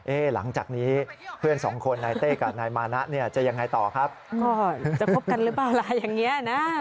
เอ๊ะหลังจากนี้เพื่อนสองคนนายเต้กับนายมานะเนี่ย